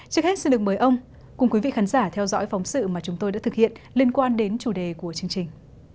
trước hết xin được mời ông cùng quý vị khán giả theo dõi phóng sự mà chúng tôi đã thực hiện liên quan đến chủ đề của chương trình